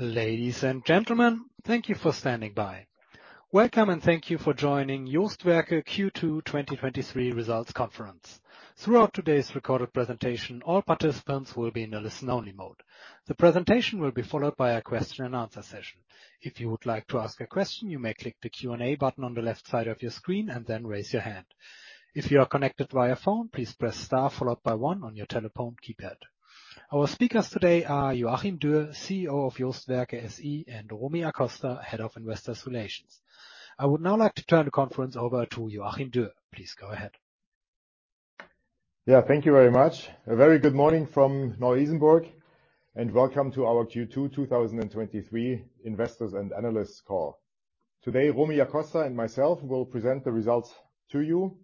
Ladies and gentlemen, thank you for standing by. Welcome, and thank you for joining JOST Werke Q2 2023 results conference. Throughout today's recorded presentation, all participants will be in a listen-only mode. The presentation will be followed by a question and answer session. If you would like to ask a question, you may click the Q&A button on the left side of your screen and then raise your hand. If you are connected via phone, please press star followed by one on your telephone keypad. Our speakers today are Joachim Dürr, CEO of JOST Werke SE, and Romy Acosta, Head of Investor Relations. I would now like to turn the conference over to Joachim Dürr. Please go ahead. Yeah, thank you very much. A very good morning from Neu-Isenburg, and welcome to our Q2 2023 Investors and Analysts Call. Today, Romy Acosta and myself will present the results to you,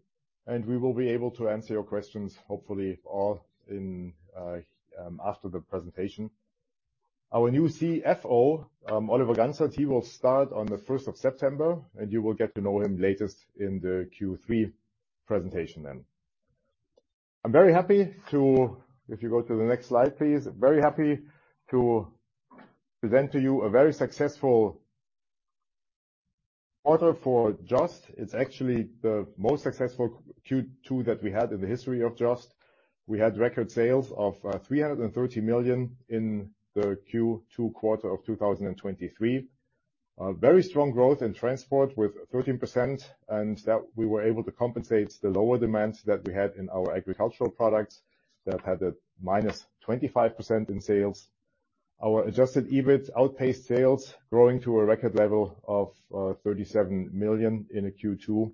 and we will be able to answer your questions, hopefully all in after the presentation. Our new CFO, Oliver Gantzert, he will start on the 1st of September, and you will get to know him latest in the Q3 presentation then. I'm very happy to... If you go to the next slide, please. Very happy to present to you a very successful quarter for JOST. It's actually the most successful Q2 that we had in the history of JOST. We had record sales of 330 million in the Q2 quarter of 2023. Very strong growth in transport with 13%, and that we were able to compensate the lower demands that we had in our agricultural products, that had a -25% in sales. Our Adjusted EBIT outpaced sales, growing to a record level of 37 million in Q2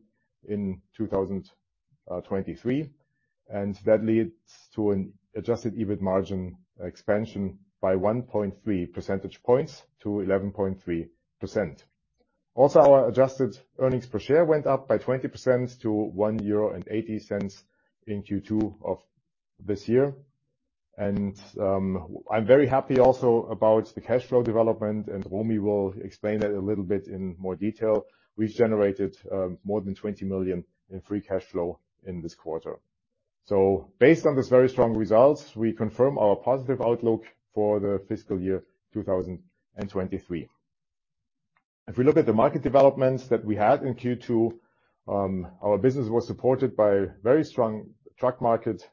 in 2023, and that leads to an Adjusted EBIT margin expansion by 1.3 percentage points to 11.3%. Also, our adjusted earnings per share went up by 20% to EUR 1.80 in Q2 of this year. I'm very happy also about the cash flow development, and Romy will explain that a little bit in more detail. We've generated more than 20 million in free cash flow in this quarter. Based on this very strong results, we confirm our positive outlook for the fiscal year 2023. If we look at the market developments that we had in Q2, our business was supported by very strong truck market,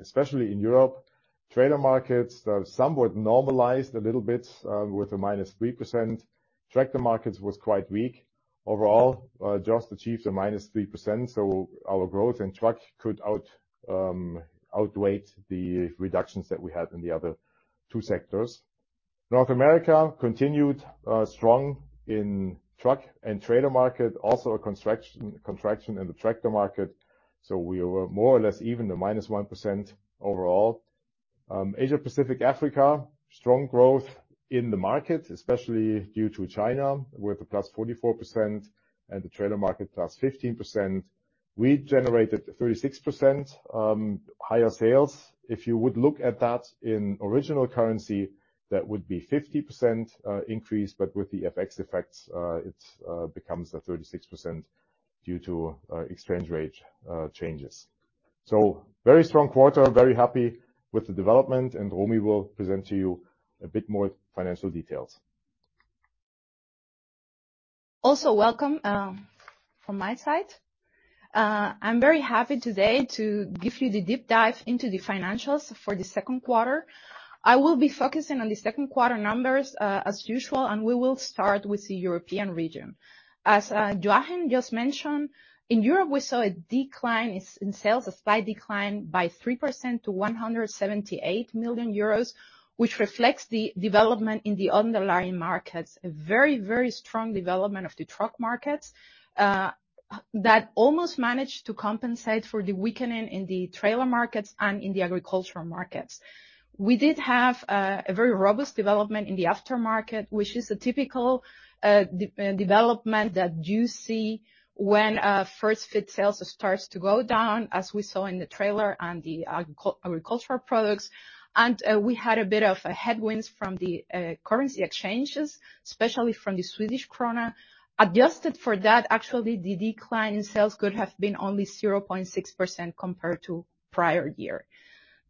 especially in Europe. Trailer markets, somewhat normalized a little bit, with a -3%. Tractor markets was quite weak. Overall, JOST achieved a -3%, so our growth in truck could outweigh the reductions that we had in the other two sectors. North America continued strong in truck and trailer market, also a contraction in the tractor market, so we were more or less even, a -1% overall. Asia Pacific, Africa, strong growth in the market, especially due to China, with a +44% and the trailer market, +15%. We generated 36%, higher sales. If you would look at that in original currency, that would be 50%, increase, but with the FX effects, it, becomes a 36% due to, exchange rate, changes. Very strong quarter, very happy with the development, and Romy will present to you a bit more financial details. Also, welcome from my side. I'm very happy today to give you the deep dive into the financials for the second quarter. I will be focusing on the second quarter numbers, as usual, and we will start with the European region. As Joachim just mentioned, in Europe, we saw a decline in sales, a slight decline by 3% to 178 million euros, which reflects the development in the underlying markets. A very, very strong development of the truck markets that almost managed to compensate for the weakening in the trailer markets and in the agricultural markets. We did have a very robust development in the aftermarket, which is a typical development that you see when first-fit sales starts to go down, as we saw in the trailer and the agricultural products. We had a bit of a headwinds from the currency exchanges, especially from the Swedish krona. Adjusted for that, actually, the decline in sales could have been only 0.6% compared to prior year.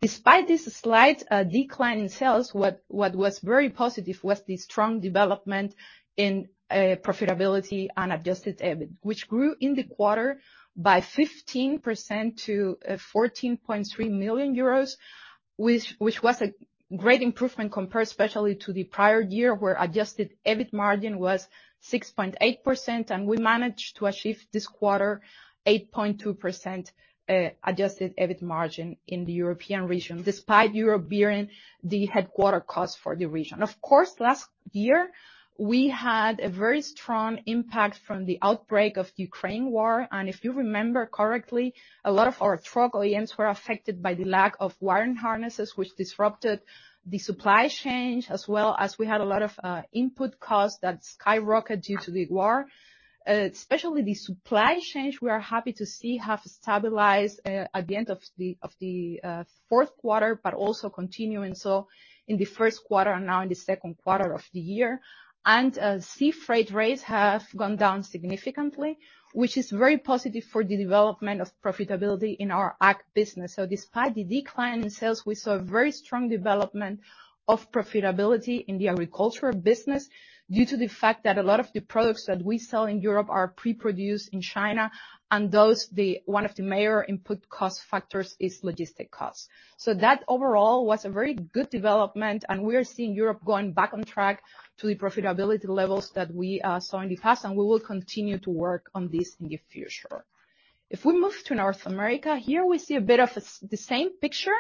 Despite this slight decline in sales, what was very positive was the strong development in profitability and Adjusted EBIT, which grew in the quarter by 15% to 14.3 million euros, which was a great improvement compared especially to the prior year, where Adjusted EBIT margin was 6.8%, and we managed to achieve this quarter 8.2% Adjusted EBIT margin in the European region, despite Europe bearing the headquarter cost for the region. Of course, last year, we had a very strong impact from the outbreak of the Ukraine War, and if you remember correctly, a lot of our truck OEMs were affected by the lack of wiring harnesses, which disrupted the supply chain, as well as we had a lot of input costs that skyrocketed due to the war. Especially the supply chains, we are happy to see, have stabilized at the end of the fourth quarter, but also continuing so in the first quarter and now in the second quarter of the year. Sea freight rates have gone down significantly, which is very positive for the development of profitability in our ag business. Despite the decline in sales, we saw a very strong development of profitability in the agricultural business due to the fact that a lot of the products that we sell in Europe are pre-produced in China, and those, the One of the major input cost factors is logistic costs. That overall was a very good development, and we are seeing Europe going back on track to the profitability levels that we saw in the past, and we will continue to work on this in the future. If we move to North America, here we see a bit of a the same picture.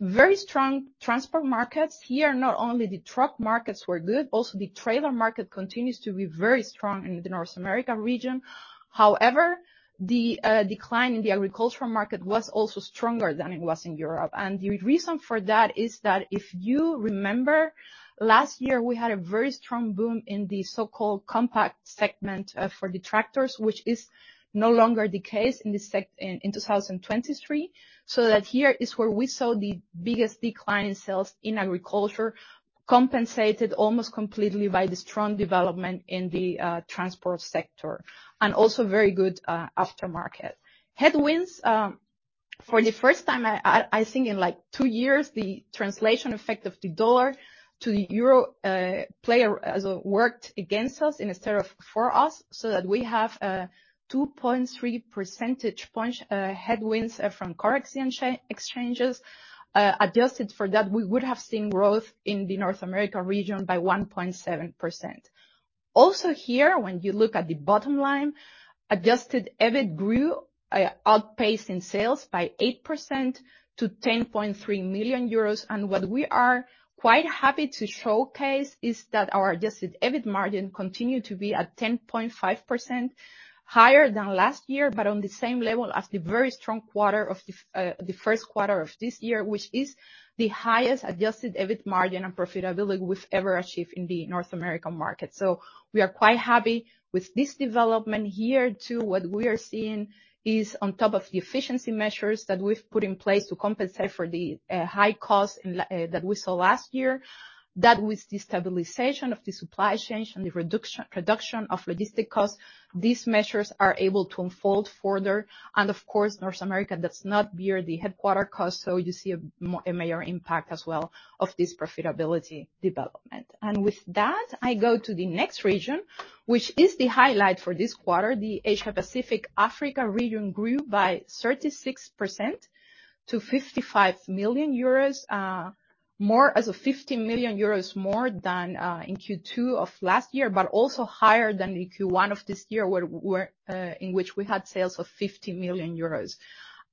Very strong transport markets. Here, not only the truck markets were good, also the trailer market continues to be very strong in the North America region. However, the decline in the agricultural market was also stronger than it was in Europe. The reason for that is that if you remember, last year, we had a very strong boom in the so-called compact segment for the tractors, which is no longer the case in 2023. Here is where we saw the biggest decline in sales in agriculture, compensated almost completely by the strong development in the transport sector, and also very good aftermarket. Headwinds, for the first time, I, I, I think in, like, two years, the translation effect of the dollar to the euro worked against us instead of for us, so that we have a 2.3 percentage point headwinds from currency exchanges. Adjusted for that, we would have seen growth in the North America region by 1.7%. Here, when you look at the bottom line, Adjusted EBIT grew, outpacing sales by 8% to 10.3 million euros. What we are quite happy to showcase is that our Adjusted EBIT margin continued to be at 10.5%, higher than last year, but on the same level as the very strong quarter of the first quarter of this year, which is the highest Adjusted EBIT margin and profitability we've ever achieved in the North American market. We are quite happy with this development. Here, too, what we are seeing is on top of the efficiency measures that we've put in place to compensate for the high cost that we saw last year, that with the stabilization of the supply chain and the reduction of logistic costs, these measures are able to unfold further. Of course, North America, that's not where the headquarters costs, so you see a major impact as well of this profitability development. With that, I go to the next region, which is the highlight for this quarter. The Asia Pacific-Africa region grew by 36% to 55 million euros, more as a 50 million euros, more than in Q2 of last year, but also higher than the Q1 of this year, where, where, in which we had sales of 50 million euros.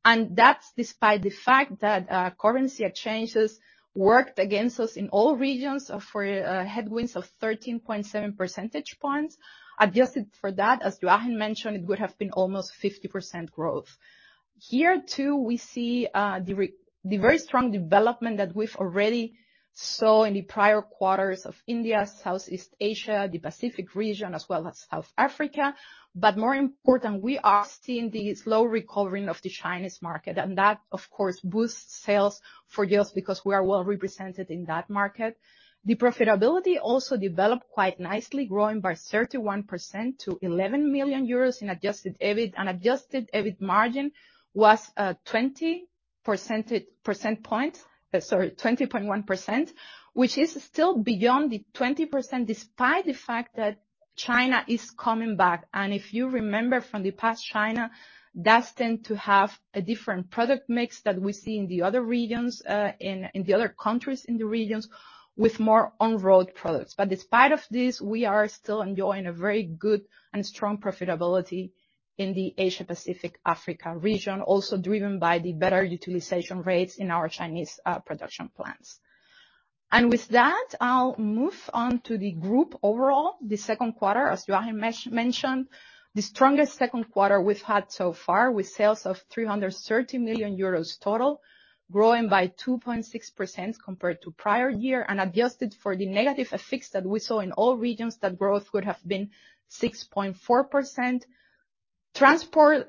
That's despite the fact that currency exchanges worked against us in all regions for headwinds of 13.7 percentage points. Adjusted for that, as Joachim mentioned, it would have been almost 50% growth. Here, too, we see the very strong development that we've already saw in the prior quarters of India, Southeast Asia, the Pacific region, as well as South Africa. More important, we are seeing the slow recovering of the Chinese market, and that, of course, boosts sales for JOST because we are well represented in that market. The profitability also developed quite nicely, growing by 31% to 11 million euros in Adjusted EBIT, and Adjusted EBIT margin was 20.1%, which is still beyond the 20%, despite the fact that China is coming back. If you remember from the past, China does tend to have a different product mix than we see in the other regions, in, in the other countries in the regions, with more on-road products. Despite of this, we are still enjoying a very good and strong profitability in the Asia Pacific-Africa region, also driven by the better utilization rates in our Chinese production plants. With that, I'll move on to the group overall, the second quarter, as Joachim Dürr mentioned, the strongest second quarter we've had so far, with sales of 330 million euros total, growing by 2.6% compared to prior year, and adjusted for the negative effects that we saw in all regions, that growth would have been 6.4%. Transport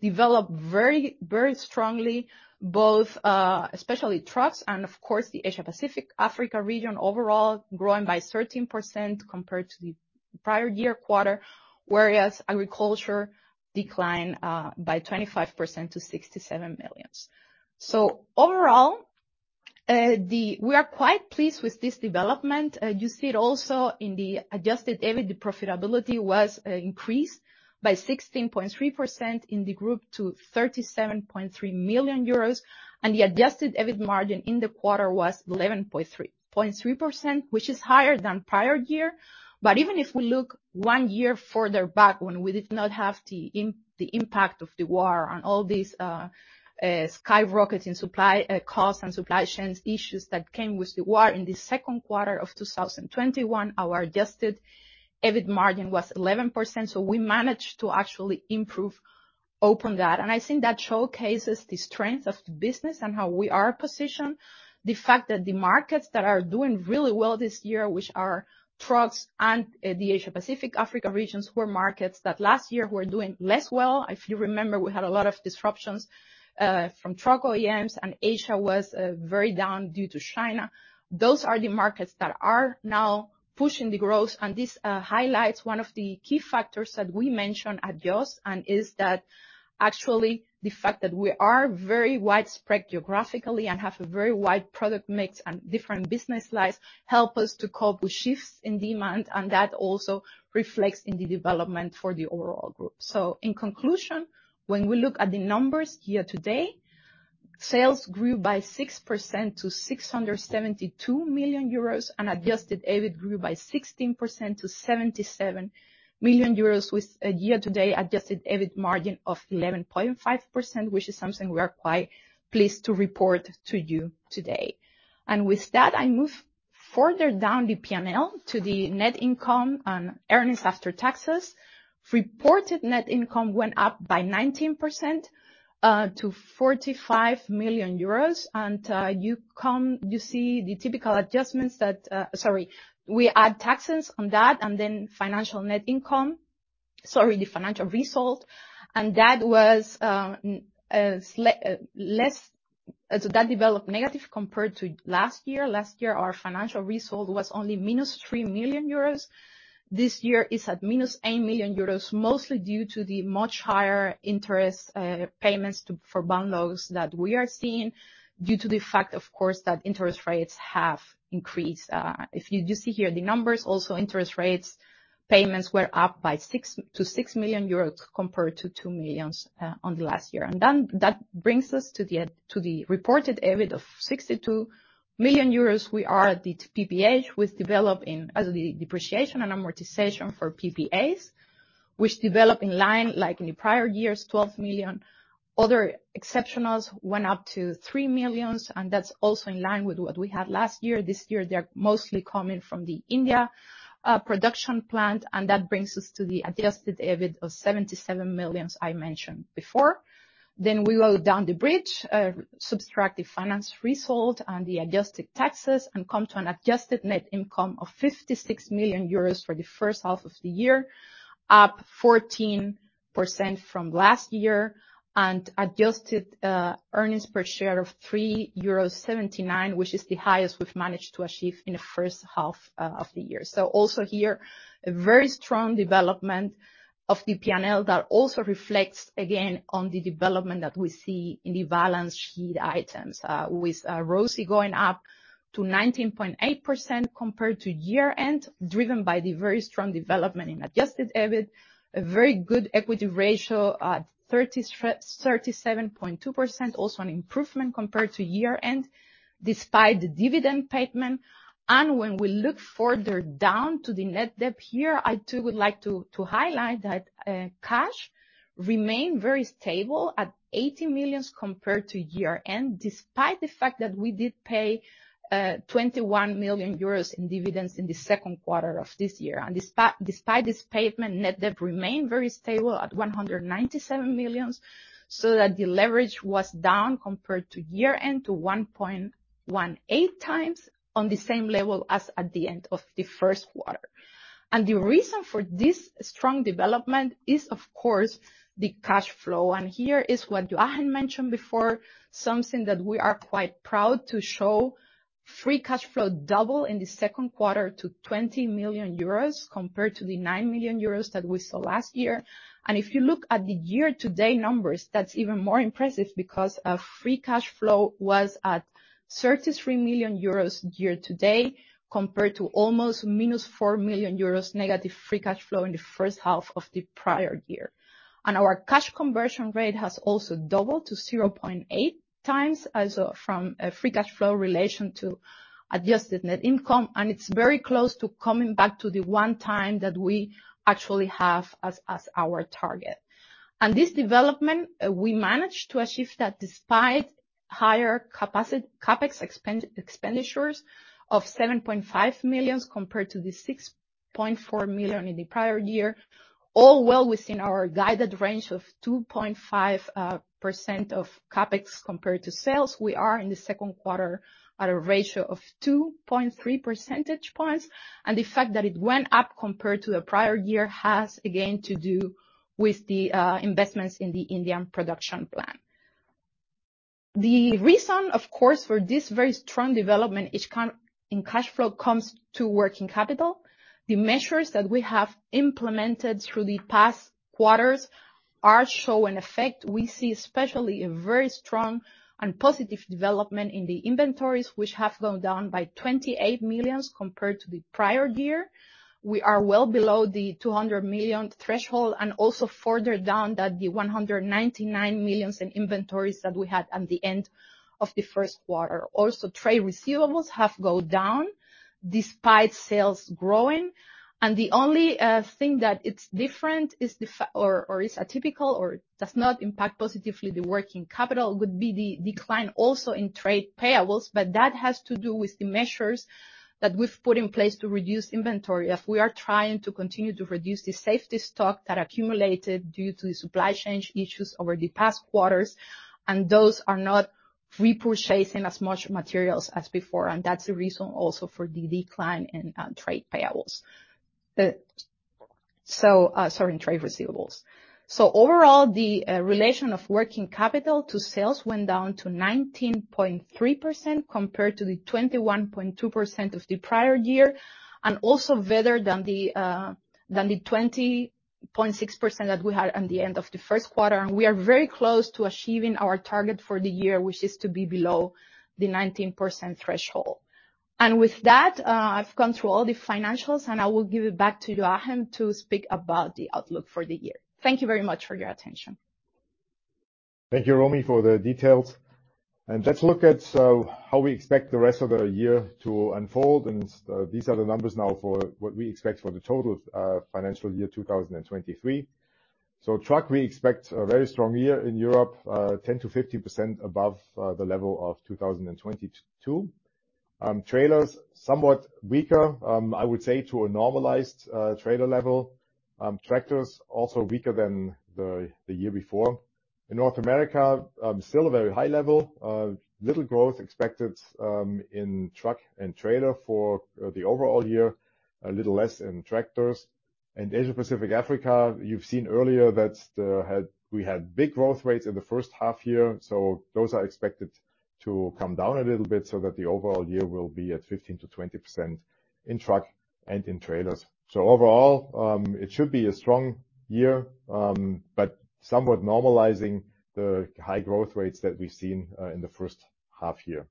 developed very, very strongly, both, especially trucks and of course, the Asia Pacific-Africa region overall growing by 13% compared to the prior year quarter, whereas agriculture declined by 25% to 67 million. Overall, We are quite pleased with this development. You see it also in the Adjusted EBIT, the profitability was increased by 16.3% in the group to 37.3 million euros, the Adjusted EBIT margin in the quarter was 11.3.3%, which is higher than prior year. Even if we look one year further back, when we did not have the impact of the war on all these skyrocketing supply costs and supply chains issues that came with the war, in the second quarter of 2021, our Adjusted EBIT margin was 11%. We managed to actually improve upon that, and I think that showcases the strength of the business and how we are positioned. The fact that the markets that are doing really well this year, which are trucks and the Asia Pacific-Africa regions, were markets that last year were doing less well. If you remember, we had a lot of disruptions from truck OEMs, and Asia was very down due to China. Those are the markets that are now pushing the growth, and this highlights one of the key factors that we mentioned at JOST, and is that actually the fact that we are very widespread geographically and have a very wide product mix and different business lines help us to cope with shifts in demand, and that also reflects in the development for the overall group. In conclusion, when we look at the numbers year-to-date, sales grew by 6% to 672 million euros, and Adjusted EBIT grew by 16% to 77 million euros, with a year-to-date Adjusted EBIT margin of 11.5%, which is something we are quite pleased to report to you today. With that, I move further down the P&L to the net income and earnings after taxes. Reported net income went up by 19% to 45 million euros. You come, you see the typical adjustments that... Sorry, we add taxes on that, and then financial net income-... Sorry, the financial result, and that was less, so that developed negative compared to last year. Last year, our financial result was only -3 million euros. This year, it's at -8 million euros, mostly due to the much higher interest payments for bond loans that we are seeing, due to the fact, of course, that interest rates have increased. If you, you see here the numbers also, interest payments were up by 6 million, to 6 million euros compared to 2 million on the last year. That brings us to the end, to the reported EBIT of 62 million euros. We are at the PPA, which develop in as the depreciation and amortization for PPAs, which develop in line like in the prior years, 12 million. Other exceptionals went up to 3 million, and that's also in line with what we had last year. This year, they're mostly coming from the India production plant, and that brings us to the Adjusted EBIT of 77 million, I mentioned before. We go down the bridge, subtract the finance result and the adjusted taxes and come to an adjusted net income of 56 million euros for the first half of the year, up 14% from last year, and adjusted earnings per share of 3.79, which is the highest we've managed to achieve in the first half of the year. Also here, a very strong development of the P&L that also reflects, again, on the development that we see in the balance sheet items, with ROSI going up to 19.8% compared to year-end, driven by the very strong development in Adjusted EBIT. A very good equity ratio at 37.2%, also an improvement compared to year-end, despite the dividend payment. When we look further down to the net debt here, I, too, would like to, to highlight that cash remained very stable at 80 million compared to year-end, despite the fact that we did pay 21 million euros in dividends in the second quarter of this year. Despite this payment, net debt remained very stable at 197 million, so that the leverage was down compared to year-end to 1.18 times on the same level as at the end of the first quarter. The reason for this strong development is, of course, the cash flow. Here is what Joachim mentioned before, something that we are quite proud to show. Free cash flow double in the second quarter to 20 million euros compared to the 9 million euros that we saw last year. If you look at the year-to-date numbers, that's even more impressive because our free cash flow was at 33 million euros year-to-date, compared to almost -4 million euros negative free cash flow in the first half of the prior year. Our cash conversion rate has also doubled to 0.8 times as from a free cash flow relation to adjusted net income, and it's very close to coming back to the 1 time that we actually have as our target. This development, we managed to achieve that despite higher CapEx expenditures of 7.5 million compared to the 6.4 million in the prior year, all well within our guided range of 2.5% of CapEx compared to sales. We are in the second quarter at a ratio of 2.3 percentage points. The fact that it went up compared to the prior year has, again, to do with the investments in the Indian production plant. The reason, of course, for this very strong development is in cash flow, comes to working capital. The measures that we have implemented through the past quarters are showing effect. We see especially a very strong and positive development in the inventories, which have gone down by 28 million compared to the prior year. We are well below the 200 million threshold and also further down that the 199 million in inventories that we had at the end of the first quarter. The only thing that it's different is the or is atypical or does not impact positively the working capital, would be the decline also in trade payables, but that has to do with the measures that we've put in place to reduce inventory. As we are trying to continue to reduce the safety stock that accumulated due to the supply chain issues over the past quarters, and those are not repurchasing as much materials as before, and that's the reason also for the decline in trade payables. Sorry, in trade receivables. Overall, the relation of working capital to sales went down to 19.3% compared to the 21.2% of the prior year, and also better than the than the 20.6% that we had at the end of the first quarter. We are very close to achieving our target for the year, which is to be below the 19% threshold. With that, I've gone through all the financials, and I will give it back to Joachim Dürr to speak about the outlook for the year. Thank you very much for your attention. Thank you, Romy, for the details. Let's look at how we expect the rest of the year to unfold. These are the numbers now for what we expect for the total financial year 2023. Truck, we expect a very strong year in Europe, 10%-50% above the level of 2022. Trailers, somewhat weaker, I would say, to a normalized trailer level. Tractors, also weaker than the year before. North America, still a very high level, little growth expected in truck and trailer for the overall year, a little less in tractors. Asia Pacific, Africa, you've seen earlier that had, we had big growth rates in the first half-year, those are expected to come down a little bit so that the overall year will be at 15%-20% in truck and in trailers. Overall, it should be a strong year, but somewhat normalizing the high growth rates that we've seen in the first half-year.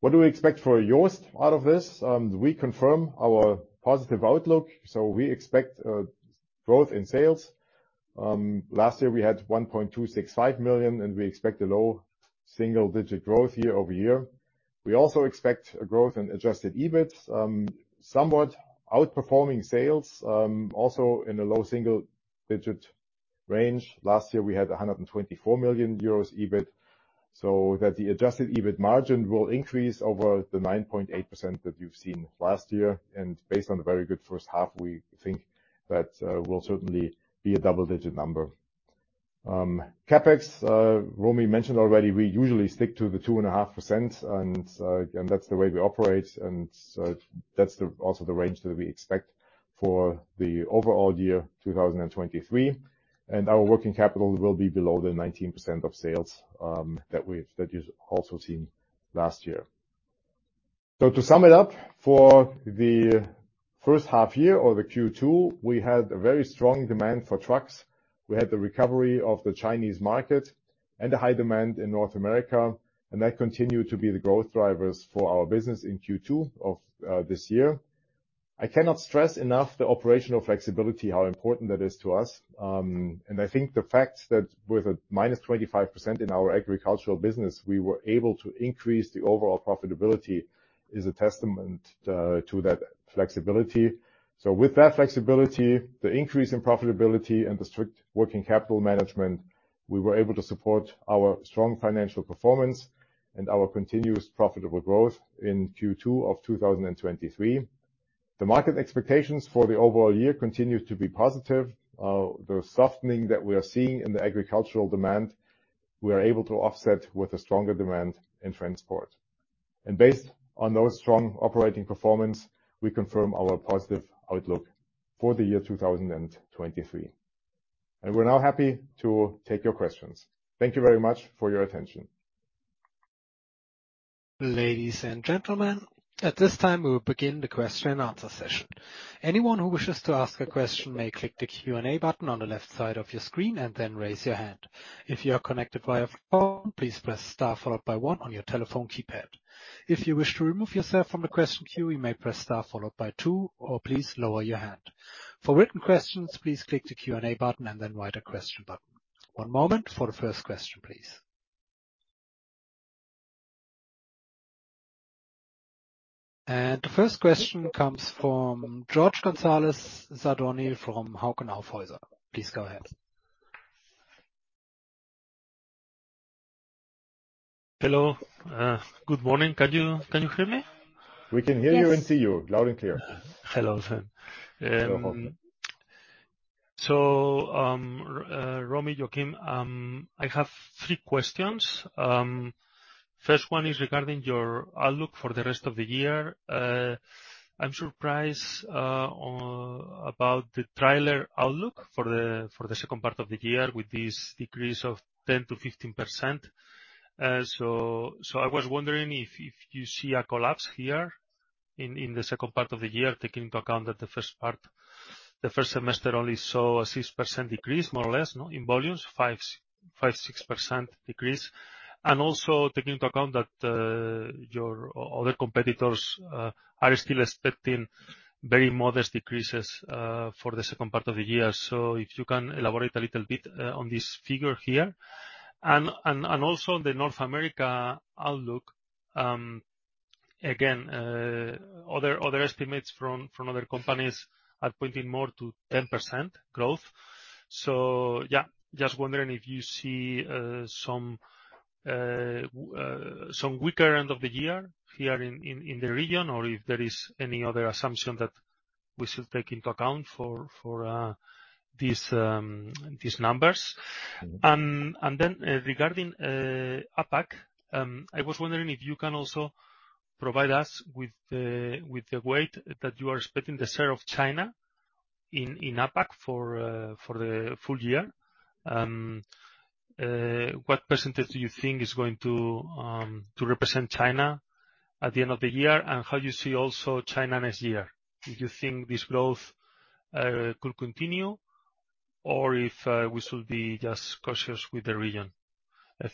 What do we expect for JOST out of this? We confirm our positive outlook, we expect a growth in sales. Last year, we had 1.265 million, and we expect a low single-digit growth year-over-year. We also expect a growth in Adjusted EBIT, somewhat outperforming sales, also in a low single-digit range. Last year, we had 124 million euros EBIT, that the Adjusted EBIT margin will increase over the 9.8% that you've seen last year. Based on the very good first half, we think that will certainly be a double-digit number. CapEx, Romy mentioned already, we usually stick to the 2.5%, and that's the way we operate, and that's the also the range that we expect for the overall year, 2023. Our working capital will be below the 19% of sales that you've also seen last year. To sum it up, for the first half year or the Q2, we had a very strong demand for trucks. We had the recovery of the Chinese market and a high demand in North America. That continued to be the growth drivers for our business in Q2 of this year. I cannot stress enough the operational flexibility, how important that is to us. I think the fact that with a -25% in our agricultural business, we were able to increase the overall profitability, is a testament to that flexibility. With that flexibility, the increase in profitability and the strict working capital management, we were able to support our strong financial performance and our continuous profitable growth in Q2 of 2023. The market expectations for the overall year continue to be positive. The softening that we are seeing in the agricultural demand, we are able to offset with a stronger demand in transport. Based on those strong operating performance, we confirm our positive outlook for the year 2023. We're now happy to take your questions. Thank you very much for your attention. Ladies and gentlemen, at this time, we will begin the question and answer session. Anyone who wishes to ask a question may click the Q&A button on the left side of your screen and then raise your hand. If you are connected via phone, please press star followed by one on your telephone keypad. If you wish to remove yourself from the question queue, you may press star followed by two, or please lower your hand. For written questions, please click the Q&A button and then Write a Question button. One moment for the first question, please. The first question comes from Jorge González Sadornil from Hauck & Aufhäuser. Please go ahead. Hello. Good morning. Can you, can you hear me? We can hear you and see you loud and clear. Hello, then. Romy, Joachim, I have three questions. First one is regarding your outlook for the rest of the year. I'm surprised about the trailer outlook for the second part of the year, with this decrease of 10%-15%. I was wondering if you see a collapse here in the second part of the year, taking into account that the first part, the first semester only saw a 6% decrease, more or less, no, in volumes, 5%, 5%, 6% decrease. Also taking into account that your other competitors are still expecting very modest decreases for the second part of the year. If you can elaborate a little bit on this figure here. Also the North America outlook. Again, other estimates from other companies are pointing more to 10% growth. Just wondering if you see some weaker end of the year here in the region, or if there is any other assumption that we should take into account for these numbers. Then, regarding APAC, I was wondering if you can also provide us with the weight that you are expecting the share of China in APAC for the full year. What percentage do you think is going to represent China at the end of the year? And how you see also China next year? Do you think this growth could continue, or if we should be just cautious with the region?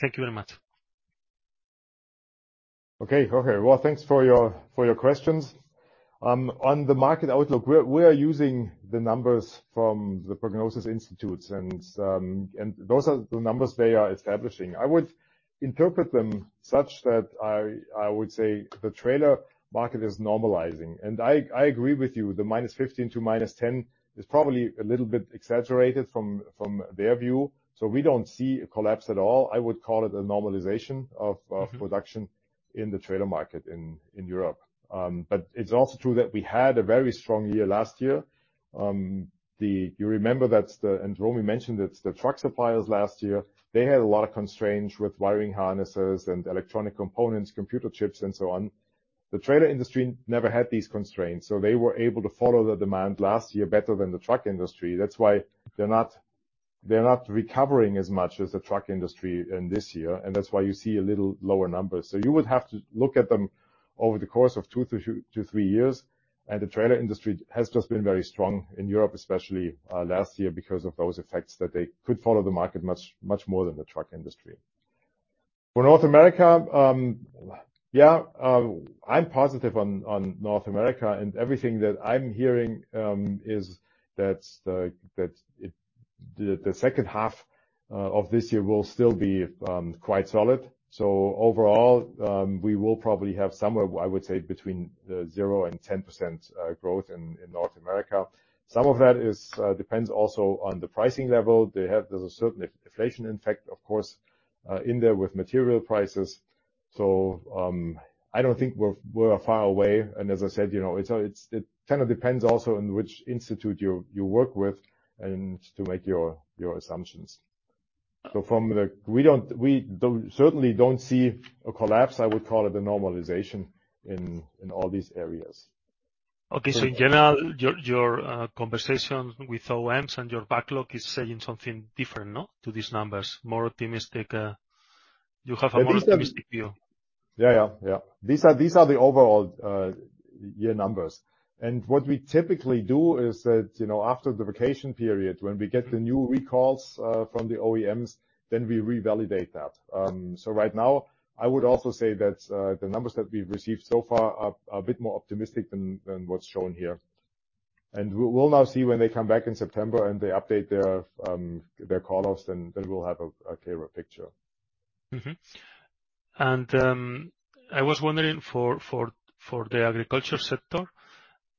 Thank you very much. Well, thanks for your questions. On the market outlook, we are using the numbers from the prognosis institutes, and those are the numbers they are establishing. I would interpret them such that I would say the trailer market is normalizing. I agree with you, the -15% to -10% is probably a little bit exaggerated from their view. We don't see a collapse at all. I would call it a normalization of production in the trailer market in Europe. It's also true that we had a very strong year last year. You remember that Romy mentioned it, the truck suppliers last year, they had a lot of constraints with wiring harnesses and electronic components, computer chips, and so on. The trailer industry never had these constraints, so they were able to follow the demand last year better than the truck industry. That's why they're not, they're not recovering as much as the truck industry in this year, and that's why you see a little lower numbers. You would have to look at them over the course of two to three years, and the trailer industry has just been very strong in Europe, especially last year, because of those effects, that they could follow the market much, much more than the truck industry. For North America, yeah, I'm positive on North America, and everything that I'm hearing, is that the, that it, the, the second half of this year will still be quite solid. Overall, we will probably have somewhere, I would say, between the 0% and 10% growth in North America. Some of that is, depends also on the pricing level. There's a certain in-inflation effect, of course, in there with material prices, so, I don't think we're, we're far away, and as I said, you know, it kind of depends also on which institute you, you work with and to make your, your assumptions. We don't, certainly don't see a collapse. I would call it a normalization in all these areas. Okay. In general, your, your conversations with OEMs and your backlog is saying something different, no, to these numbers? More optimistic, you have a more optimistic view. Yeah, yeah, yeah. These are, these are the overall year numbers, and what we typically do is that, you know, after the vacation period, when we get the new recalls from the OEMs, then we revalidate that. Right now, I would also say that the numbers that we've received so far are a bit more optimistic than, than what's shown here. We'll now see when they come back in September, and they update their callouts, then we'll have a clearer picture. Mm-hmm. I was wondering for, for, for the agriculture sector,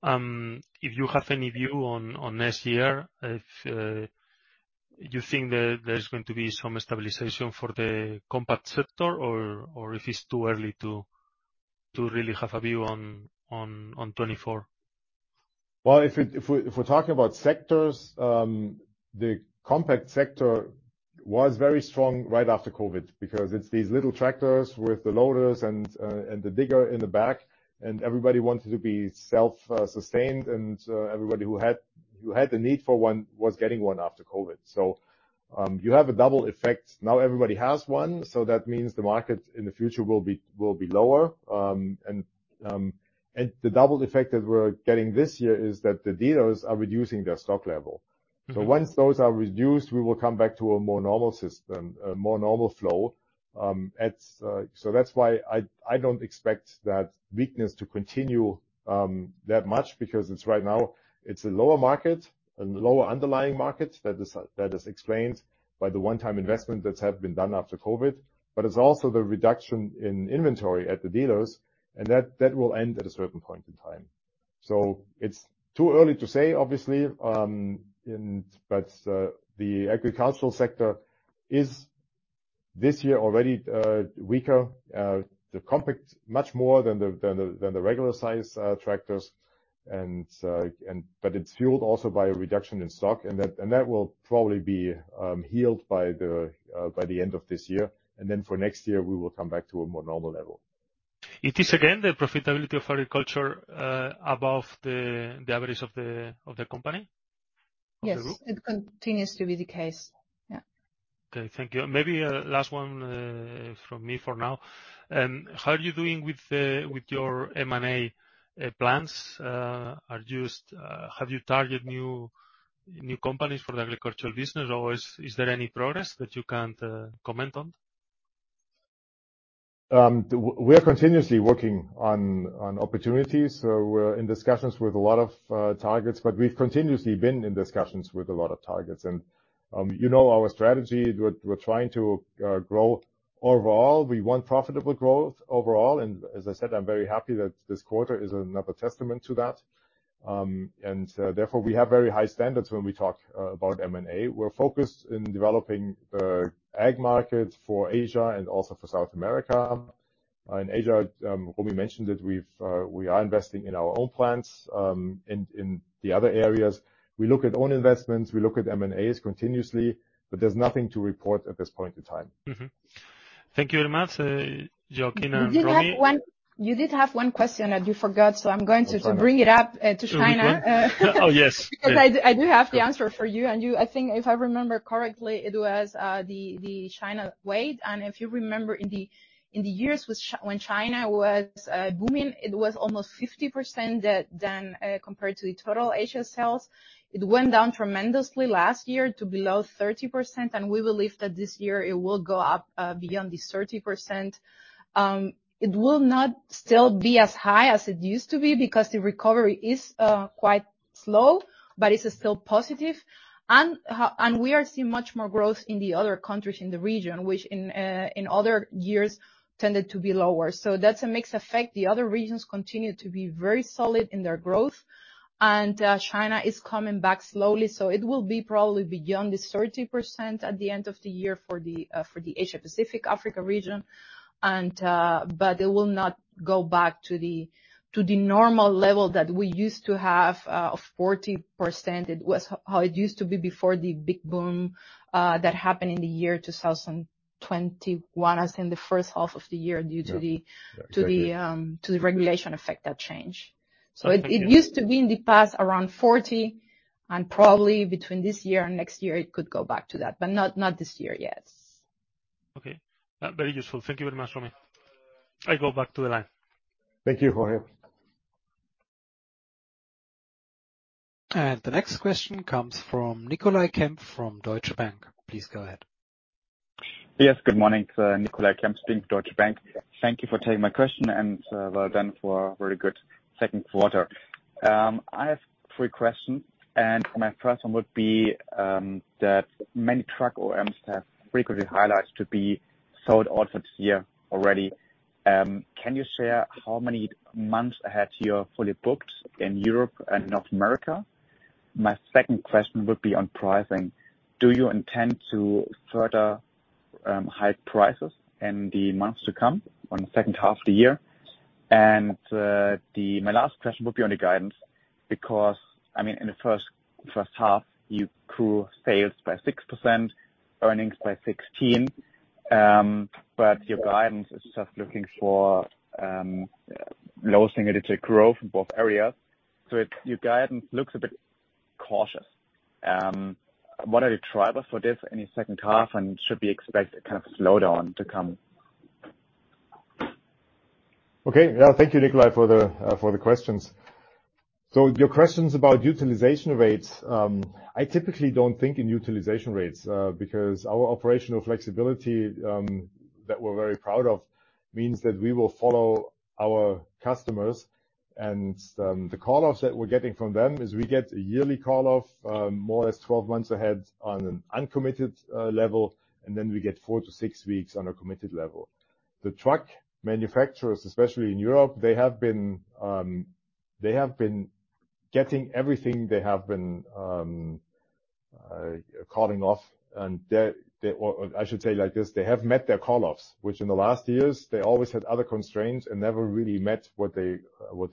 if you have any view on, on next year, if, you think that there's going to be some stabilization for the compact sector or, or if it's too early to, to really have a view on, on, on 2024? Well, if it, if we, if we're talking about sectors, the compact sector was very strong right after COVID, because it's these little tractors with the loaders and the digger in the back, and everybody wanted to be self sustained, and everybody who had, who had the need for one was getting one after COVID. You have a double effect. Now, everybody has one, so that means the market in the future will be, will be lower, and the double effect that we're getting this year is that the dealers are reducing their stock level. Mm-hmm. Once those are reduced, we will come back to a more normal system, a more normal flow. That's why I, I don't expect that weakness to continue that much because it's right now, it's a lower market, and lower underlying market that is, that is explained by the one-time investment that have been done after COVID, but it's also the reduction in inventory at the dealers, and that, that will end at a certain point in time. It's too early to say, obviously. The agricultural sector is this year already weaker, the compact much more than the, than the, than the regular size tractors. It's fueled also by a reduction in stock, that will probably be healed by the end of this year. Then for next year, we will come back to a more normal level. It is, again, the profitability of agriculture, above the average of the company? Yes. It continues to be the case. Yeah. Okay, thank you. Maybe last one from me for now. How are you doing with your M&A plans? Are you just have you targeted new, new companies for the agricultural business, or is, is there any progress that you can't comment on? We are continuously working on, on opportunities, so we're in discussions with a lot of targets, but we've continuously been in discussions with a lot of targets. You know, our strategy, we're, we're trying to grow overall. We want profitable growth overall, and as I said, I'm very happy that this quarter is another testament to that. Therefore, we have very high standards when we talk about M&A. We're focused in developing the ag market for Asia and also for South America. In Asia, Romy mentioned it, we've, we are investing in our own plants. In the other areas, we look at own investments, we look at M&As continuously, but there's nothing to report at this point in time. Mm-hmm. Thank you very much, Joachim and Romy. You did have one, you did have one question that you forgot, so I'm going to bring it up, to China. Oh, yes. Because I, I do have the answer for you, and I think, if I remember correctly, it was, the, the China weight. If you remember, in the years when China was booming, it was almost 50% that than, compared to the total Asia sales. It went down tremendously last year to below 30%, and we believe that this year it will go up beyond the 30%. It will not still be as high as it used to be, because the recovery is quite slow, but it's still positive. We are seeing much more growth in the other countries in the region, which in other years tended to be lower. That's a mixed effect. The other regions continue to be very solid in their growth, and China is coming back slowly, so it will be probably beyond this 30% at the end of the year for the Asia Pacific-Africa region. But it will not go back to the normal level that we used to have, of 40%. It was how it used to be before the big boom that happened in the year 2021, as in the first half of the year, due to the, to the regulation effect that change. It, it used to be in the past, around 40, and probably between this year and next year, it could go back to that, but not, not this year, yes. Okay. Very useful. Thank you very much, Romy. I go back to the line. Thank you, Jorge. The next question comes from Nicolai Kempf, from Deutsche Bank. Please go ahead. Yes, good morning. Nicolai Kempf, Deutsche Bank. Thank you for taking my question, and well done for a very good second quarter. I have three questions, and my first one would be that many truck OEMs have frequently highlights to be sold out for this year already. Can you share how many months ahead you are fully booked in Europe and North America? My second question would be on pricing: Do you intend to further hike prices in the months to come, on the second half of the year? My last question would be on the guidance, because, I mean, in the first, first half, you grew sales by 6%, earnings by 16, but your guidance is just looking for low single-digit growth in both areas. Your guidance looks a bit cautious. What are the drivers for this in the second half, and should we expect a kind of slowdown to come? Okay. Yeah, thank you, Nicolai, for the, for the questions. Your questions about utilization rates, I typically don't think in utilization rates, because our operational flexibility, that we're very proud of, means that we will follow our customers. The call-offs that we're getting from them, is we get a yearly call-off, more or less 12 months ahead on an uncommitted level, and then we get four to six weeks on a committed level. The truck manufacturers, especially in Europe, they have been getting everything they have been calling off, and I should say it like this: They have met their call-offs, which in the last years, they always had other constraints and never really met what they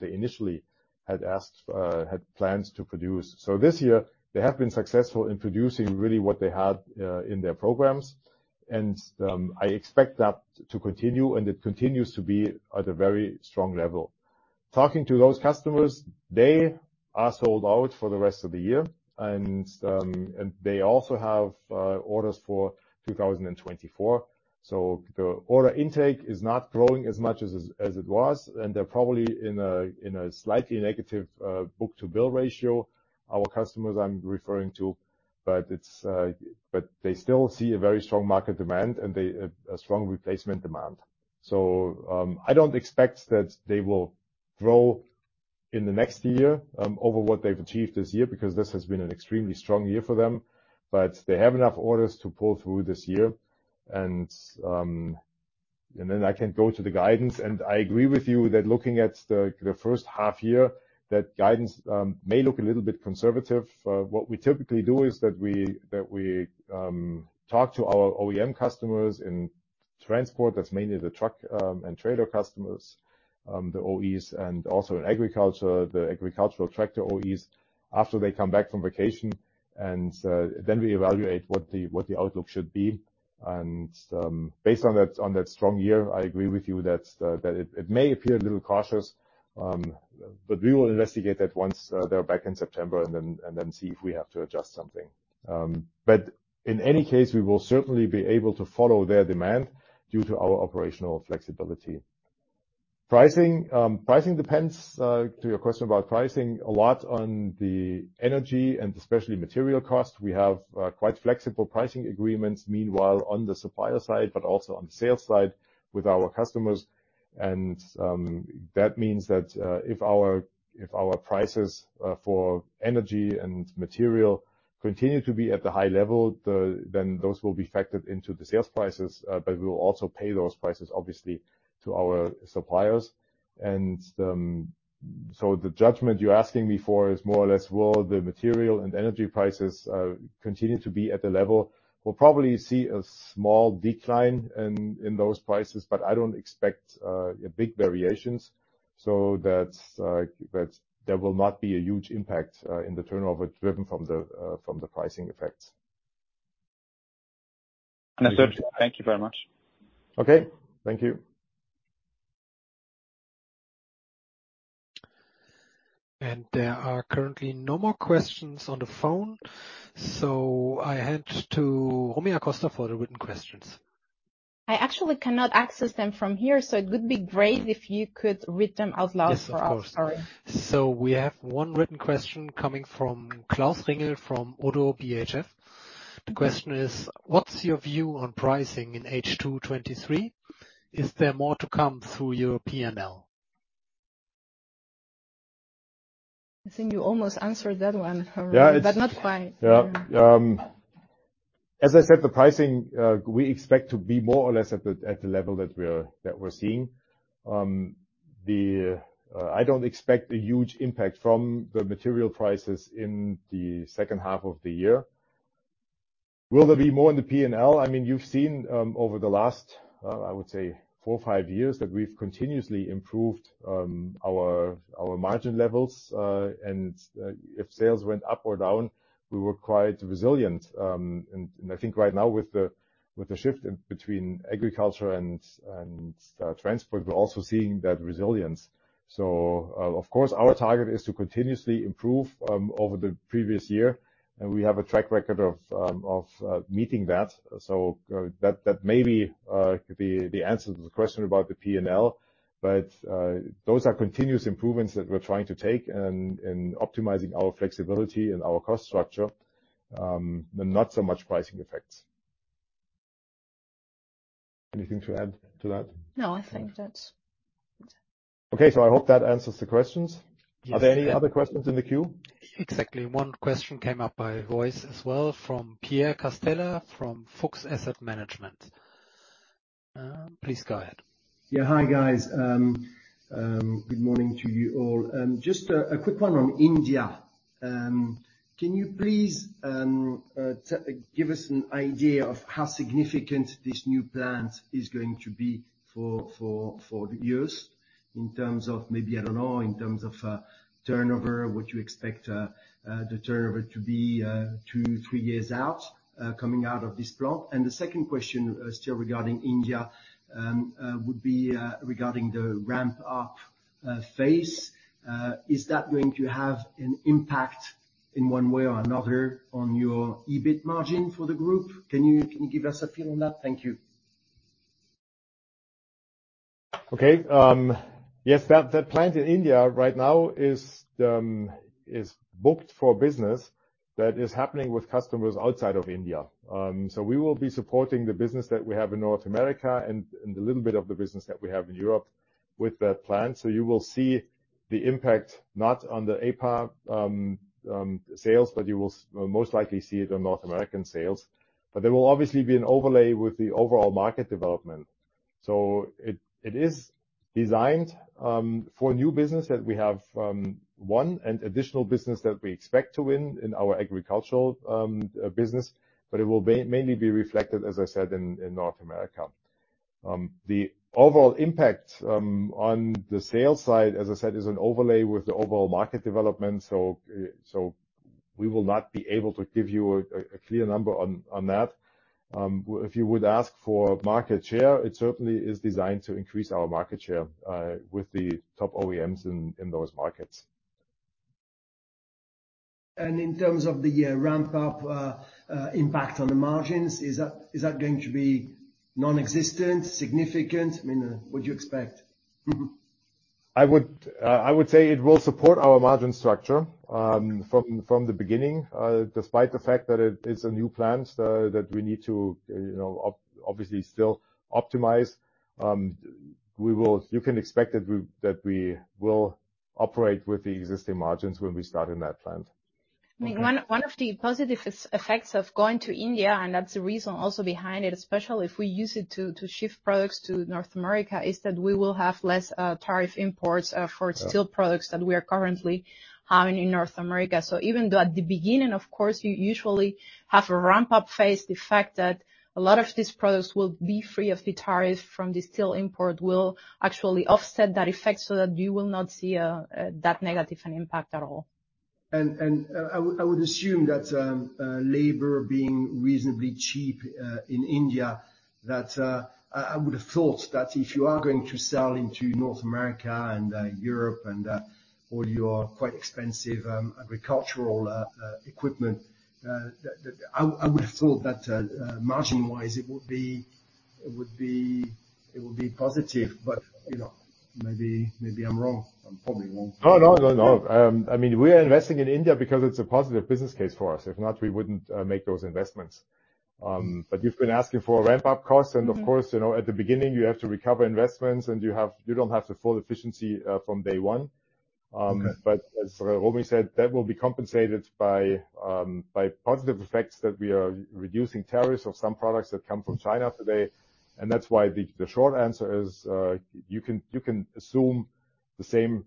initially had asked, had plans to produce. This year, they have been successful in producing really what they had in their programs. I expect that to continue, and it continues to be at a very strong level. Talking to those customers, they are sold out for the rest of the year, they also have orders for 2024. The order intake is not growing as much as it was, and they're probably in a slightly negative book-to-bill ratio, our customers I'm referring to, but they still see a very strong market demand and a strong replacement demand. I don't expect that they will grow in the next year over what they've achieved this year, because this has been an extremely strong year for them. They have enough orders to pull through this year. Then I can go to the guidance, and I agree with you that looking at the, the first half year, that guidance may look a little bit conservative. What we typically do is that we, that we talk to our OEM customers in transport, that's mainly the truck, and trader customers, the OEs, and also in agriculture, the agricultural tractor OEs, after they come back from vacation, and then we evaluate what the, what the outlook should be. Based on that, on that strong year, I agree with you that it, it may appear a little cautious, but we will investigate that once they're back in September, and then, and then see if we have to adjust something. In any case, we will certainly be able to follow their demand due to our operational flexibility. Pricing, pricing depends to your question about pricing, a lot on the energy and especially material costs. We have quite flexible pricing agreements, meanwhile, on the supplier side, but also on the sales side with our customers. That means that if our, if our prices for energy and material continue to be at the high level, then those will be factored into the sales prices, but we will also pay those prices, obviously, to our suppliers. So the judgment you're asking me for is more or less, will the material and energy prices continue to be at the level? We'll probably see a small decline in, in those prices, but I don't expect a big variations. There will not be a huge impact in the turnover driven from the pricing effects. Understood. Thank you very much. Okay. Thank you. There are currently no more questions on the phone, so I hand to Romy Acosta for the written questions. I actually cannot access them from here, so it would be great if you could read them out loud for us. Sorry. Yes, of course. We have one written question coming from Klaus Ringel, from ODDO BHF. The question is: What's your view on pricing in H2 2023? Is there more to come through your P&L? I think you almost answered that one, however- Yeah. Not quite. Yeah. As I said, the pricing, we expect to be more or less at the level that we're seeing. I don't expect a huge impact from the material prices in the second half of the year. Will there be more in the P&L? I mean, you've seen, over the last, I would say four or five years, that we've continuously improved, our margin levels. If sales went up or down, we were quite resilient. I think right now, with the shift in between agriculture and transport, we're also seeing that resilience. Of course, our target is to continuously improve, over the previous year, and we have a track record of meeting that. That, that may be the, the answer to the question about the P&L. Those are continuous improvements that we're trying to take in, in optimizing our flexibility and our cost structure, and not so much pricing effects. Anything to add to that? No, I think that's- Okay. I hope that answers the questions. Are there any other questions in the queue? Exactly. One question came up by voice as well from Pierre Castella, from FOX Asset Management. Please go ahead. Yeah. Hi, guys. Good morning to you all. Just a quick one on India. Can you please give us an idea of how significant this new plant is going to be for, for, for the years in terms of maybe, I don't know, in terms of turnover, what you expect the turnover to be two, three years out coming out of this plant? The second question, still regarding India, would be regarding the ramp-up phase. Is that going to have an impact in one way or another on your EBIT margin for the group? Can you, can you give us a feel on that? Thank you. Okay. Yes, that, that plant in India right now is booked for business that is happening with customers outside of India. We will be supporting the business that we have in North America and the little bit of the business that we have in Europe with that plant. You will see the impact not on the APAC sales, but you will most likely see it on North American sales. There will obviously be an overlay with the overall market development. It is designed for new business that we have won and additional business that we expect to win in our agricultural business. It will mainly be reflected, as I said, in North America. The overall impact on the sales side, as I said, is an overlay with the overall market development. We will not be able to give you a clear number on that. If you would ask for market share, it certainly is designed to increase our market share with the top OEMs in those markets. In terms of the ramp-up impact on the margins, is that, is that going to be non-existent, significant? I mean, what do you expect? Mm-hmm. I would, I would say it will support our margin structure, from, from the beginning, despite the fact that it is a new plant, that we need to, you know, obviously still optimize. You can expect that we, that we will operate with the existing margins when we start in that plant. I mean, one, one of the positive effects of going to India, and that's the reason also behind it, especially if we use it to, to shift products to North America, is that we will have less tariff imports for steel products that we are currently having in North America. Even though at the beginning, of course, you usually have a ramp-up phase, the fact that a lot of these products will be free of the tariff from the steel import will actually offset that effect so that you will not see a that negative an impact at all. I, I would assume that, labor being reasonably cheap, in India, that, I, I would have thought that if you are going to sell into North America and, Europe and, all your quite expensive, agricultural, equipment, that, that, I, I would have thought that, margin-wise, it would be, it would be, it would be positive. You know, maybe, maybe I'm wrong. I'm probably wrong. No, no, no, no. I mean, we are investing in India because it's a positive business case for us. If not, we wouldn't make those investments. You've been asking for a ramp-up cost, and of course you know, at the beginning, you have to recover investments, and you have- you don't have the full efficiency from day one. Okay. As Romy said, that will be compensated by positive effects, that we are reducing tariffs on some products that come from China today. That's why the, the short answer is, you can, you can assume the same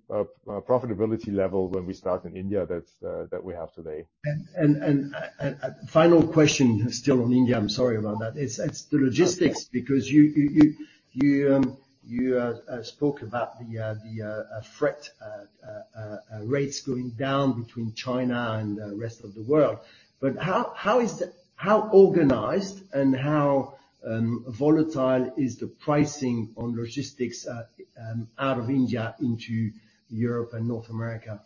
profitability level when we start in India that we have today. Final question, still on India, I'm sorry about that. It's the logistics because you spoke about the, the, freight rates going down between China and the rest of the world. How, how is the-- how organized and how volatile is the pricing on logistics out of India into Europe and North America?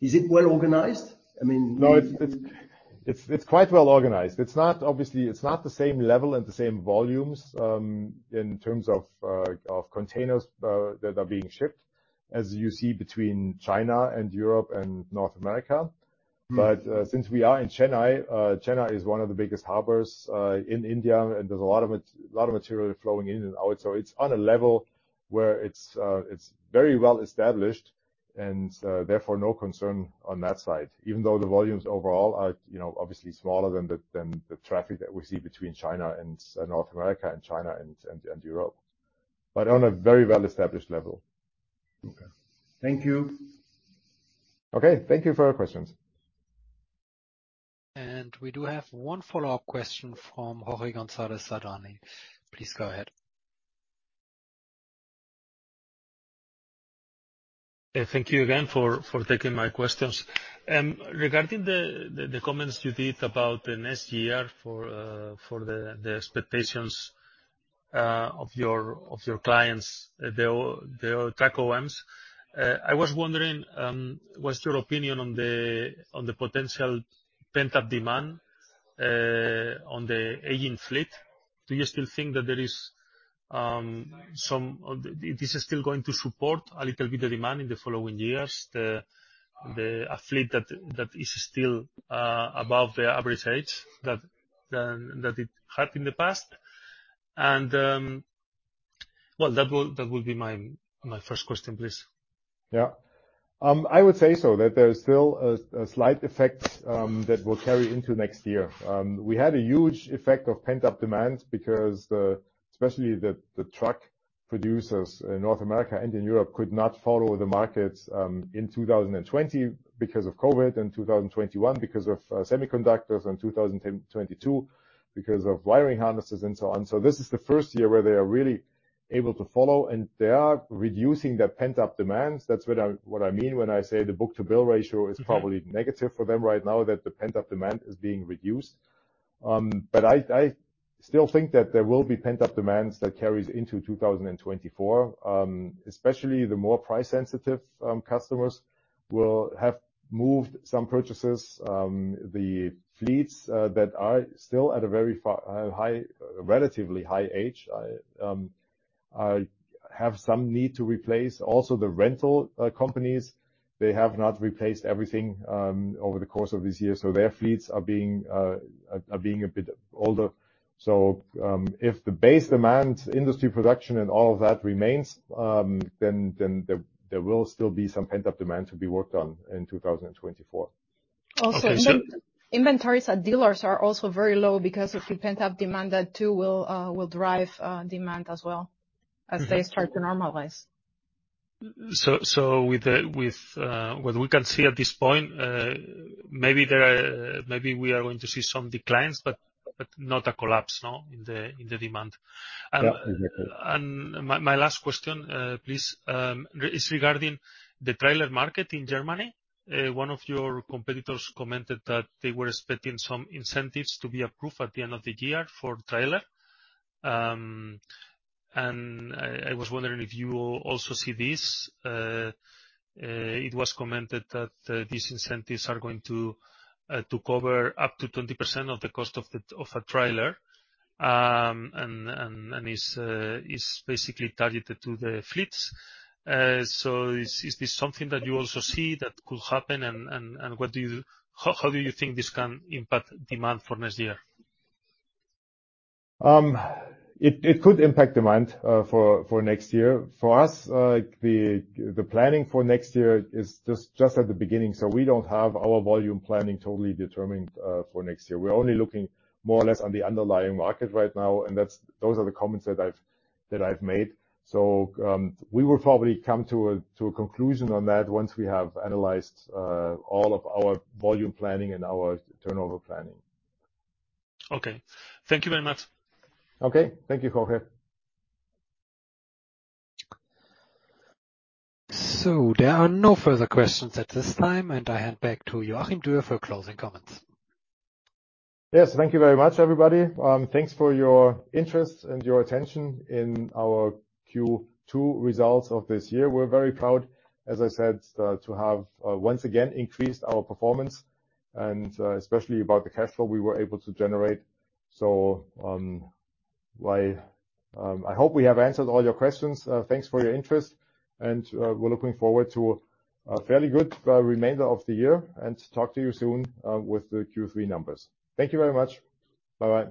Is it well organized? I mean. No, it's, it's, it's quite well organized. It's not, obviously, it's not the same level and the same volumes, in terms of, of containers, that are being shipped, as you see between China and Europe and North America. Since we are in Chennai, Chennai is one of the biggest harbors in India, and there's a lot of material flowing in and out. It's on a level where it's very well-established, and therefore, no concern on that side, even though the volumes overall are, you know, obviously smaller than the traffic that we see between China and North America and China and Europe. On a very well-established level. Okay. Thank you. Okay, thank you for your questions. We do have one follow-up question from Jorge González Sadornil. Please go ahead. Thank you again for, for taking my questions. Regarding the, the, the comments you did about the next year for, for the, the expectations, of your, of your clients, the, the truck OEMs, I was wondering, what's your opinion on the, on the potential pent-up demand, on the aging fleet? Do you still think that there is, this is still going to support a little bit of demand in the following years, the, the, a fleet that, that is still, above the average age that, than, that it had in the past? Well, that will, that will be my, my first question, please. Yeah. I would say so, that there is still a, a slight effect that will carry into next year. We had a huge effect of pent-up demand because the, especially the, the truck producers in North America and in Europe could not follow the markets in 2020 because of COVID, in 2021 because of semiconductors, in 2022 because of wiring harnesses and so on. This is the first year where they are really able to follow, and they are reducing their pent-up demands. That's what I, what I mean when I say the book-to-bill ratio is probably negative for them right now, that the pent-up demand is being reduced. But I, I still think that there will be pent-up demands that carries into 2024. Especially the more price-sensitive customers will have moved some purchases. The fleets that are still at a very far, high, relatively high age have some need to replace. Also, the rental companies, they have not replaced everything over the course of this year, so their fleets are being, are, are being a bit older. If the base demand, industry production and all of that remains, then, then there, there will still be some pent-up demand to be worked on in 2024. Also, inventories at dealers are also very low, because of the pent-up demand, that too will drive demand as well as they start to normalize. With what we can see at this point, maybe we are going to see some declines, but, but not a collapse, no, in the demand? Yeah, exactly. My, my last question, please, is regarding the trailer market in Germany. One of your competitors commented that they were expecting some incentives to be approved at the end of the year for trailer. I, I was wondering if you also see this. It was commented that these incentives are going to cover up to 20% of the cost of the, of a trailer, and is basically targeted to the fleets. Is, is this something that you also see that could happen, and what do you... how do you think this can impact demand for next year? It, it could impact demand for next year. For us, the planning for next year is just, just at the beginning, so we don't have our volume planning totally determined for next year. We're only looking more or less on the underlying market right now, and that's those are the comments that I've, that I've made. We will probably come to a, to a conclusion on that once we have analyzed all of our volume planning and our turnover planning. Okay. Thank you very much. Okay. Thank you, Jorge. There are no further questions at this time, and I hand back to you, Joachim Dürr, for closing comments. Yes, thank you very much, everybody. Thanks for your interest and your attention in our Q2 results of this year. We're very proud, as I said, to have once again increased our performance and especially about the cash flow we were able to generate. I hope we have answered all your questions. Thanks for your interest, and we're looking forward to a fairly good remainder of the year and to talk to you soon with the Q3 numbers. Thank you very much. Bye-bye.